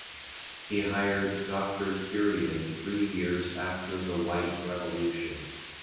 He hired Doctor Kurien three years after the white revolution.